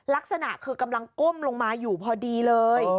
ลักษณะคือกำลังก้มลงมาอยู่พอดีเลย